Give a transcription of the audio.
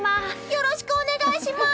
よろしくお願いします！